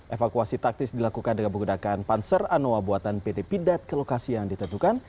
evakuasi taktis dilakukan dengan menggunakan panser anoa buatan pt pindad ke lokasi yang ditentukan